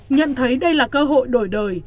nhận thấy đây là cơ hội đổi đời